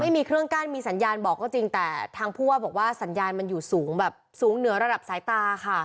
ไม่มีเครื่องกั้นมีสัญญาณบอกก็จริงแต่ทางผู้ว่าบอกว่าสัญญาณมันอยู่สูงแบบสูงเหนือระดับสายตาค่ะ